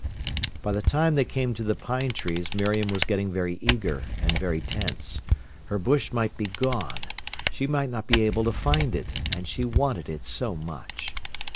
By the time they came to the pine trees Miriam was getting very eager and very tense. Her bush might be gone. She might not be able to find it; and she wanted it so much.